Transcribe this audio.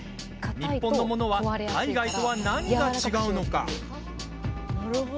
日本のものは海外とは何が違うのか。